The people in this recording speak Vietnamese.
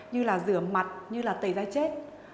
như là rửa mặt như là tẩy da chết